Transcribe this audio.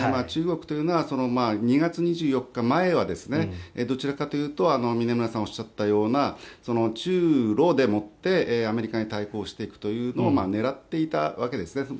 中国というのは２月２４日の前はどちらかというと峯村さんがおっしゃったような中ロでもってアメリカに対抗していくというのを狙っていたわけですね。